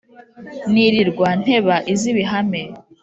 nirirwa nteba iz' ibihame.